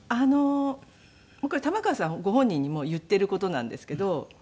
これ玉川さんご本人にも言っている事なんですけど。